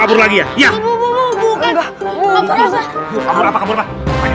kecil ini dia itu lebih